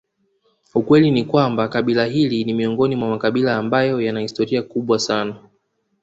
ukweli ni kwamba kabila hili ni miongoni mwa makabila ambayo yana historia kubwa sana